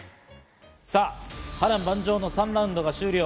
さぁ、波乱万丈の３ラウンドが終了。